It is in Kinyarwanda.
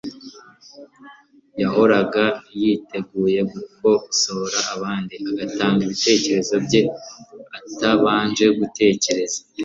Yahoraga yiteguye gukosora abandi agatanga ibitekerezo bye atabanje gutekereza,